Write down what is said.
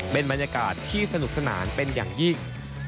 เป็นบรรยากาศที่สนุกสนานเป็นอย่างยิ่ง